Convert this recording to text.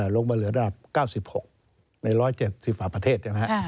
ลงมาเหลือดับ๙๖ใน๑๗๐ฝาประเทศ